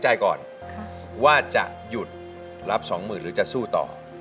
ใจก่อนว่าจะหยุดรับสองหมื่นหรือจะสู้ต่อ